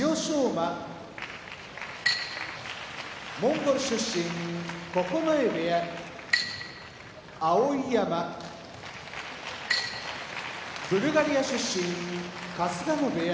馬モンゴル出身九重部屋碧山ブルガリア出身春日野部屋